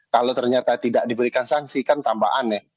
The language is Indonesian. kalau ternyata tidak diberikan sanksi kan tambah aneh